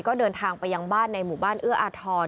ก็เดินทางไปยังบ้านในหมู่บ้านเอื้ออาทร